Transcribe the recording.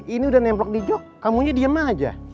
ini udah nempel di jok kamu nya diem aja